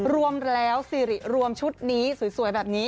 รวมแล้วสิริรวมชุดนี้สวยแบบนี้